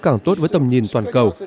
càng tốt với tầm nhìn toàn cầu